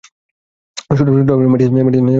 সূত্র: Madison et আল।